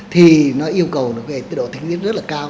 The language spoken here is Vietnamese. thì nó yêu cầu cái độ tinh thiết rất là cao